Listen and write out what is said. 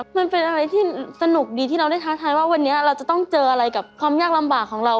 มันเป็นอะไรที่สนุกดีที่เราได้ท้าทายว่าวันนี้เราจะต้องเจออะไรกับความยากลำบากของเรา